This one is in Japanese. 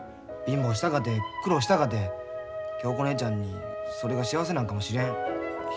貧乏したかて苦労したかて恭子姉ちゃんにそれが幸せなんかもしれん。